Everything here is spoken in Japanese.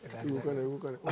動かない。